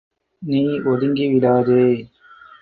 நீ ஒதுங்கி விடாதே!